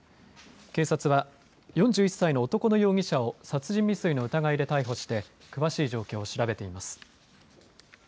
警察は４１歳の男の容疑者を殺人未遂の疑いで逮捕して詳しい状況を調べています。